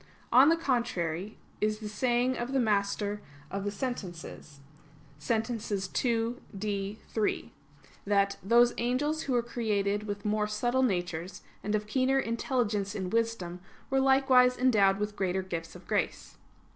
On the contrary, Is the saying of the Master of the Sentences (Sent. ii, D, 3) that "those angels who were created with more subtle natures and of keener intelligence in wisdom, were likewise endowed with greater gifts of grace."